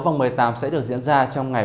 vòng một mươi tám sẽ được diễn ra trong ngày